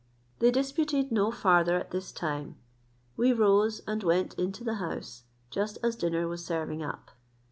They disputed no farther at this time; we rose, and went into the house, just as dinner was serving up.